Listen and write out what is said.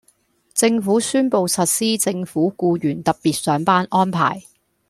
政府宣布實施政府僱員特別上班安排